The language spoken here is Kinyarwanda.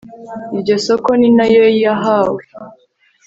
iryo soko ni na yo yahawe